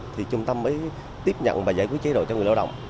thì trung tâm mới tiếp nhận và giải quyết chế độ cho người lao động